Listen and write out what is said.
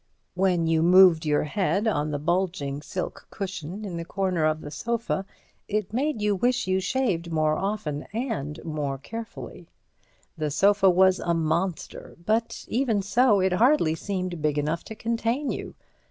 When you moved your head on the bulging silk cushion in the corner of the sofa, it made you wish you shaved more often and more carefully. The sofa was a monster—but even so, it hardly seemed big enough to contain you.